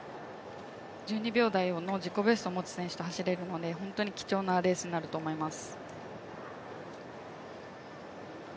１２秒台の自己ベストを持つ選手と走れるので、本当に貴重なレースになると思います。